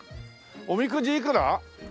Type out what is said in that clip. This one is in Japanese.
おみくじいくら？